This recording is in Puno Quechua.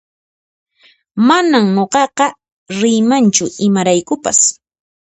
Manan nuqaqa riymanchu imaraykupas